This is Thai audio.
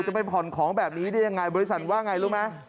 จะไปผ่อนของแบบนี้ได้ยังไงบริษัทว่าไงรู้ไหม